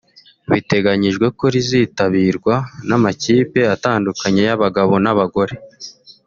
biteganyijwe ko rizitabirwa n’amakipe atandukanye y’abagabo n’abagore